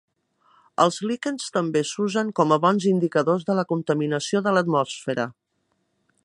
Els líquens també s'usen com a bons indicadors de la contaminació de l'atmosfera.